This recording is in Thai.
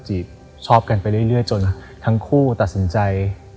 ชอบกันไปเรื่อยจนทั้งคู่ตัดสินใจ